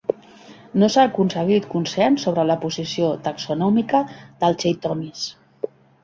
No s'ha aconseguit consens sobre la posició taxonòmica del "Chaetomys".